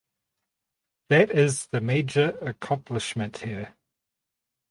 That is the major accomplishment here.